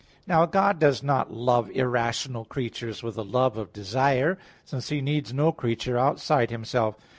Now God does not love irrational creatures with the love of desire, since He needs no creature outside Himself.